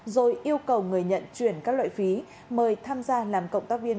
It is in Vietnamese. rồi yêu cầu người nhận chuyển các loại phí mời tham gia làm cộng tác viên